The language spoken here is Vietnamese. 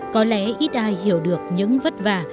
có lẽ ít ai hiểu được những vất vả